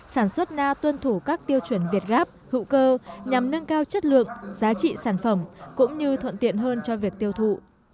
sản xuất na tuân thủ các tiêu chuẩn việt gáp hữu cơ nhằm nâng cao chất lượng giá trị sản phẩm cũng như thuận tiện hơn cho việc tiêu thụ